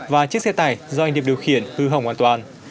và chiếc xe tải do anh điệp điều khiển hư hỏng hoàn toàn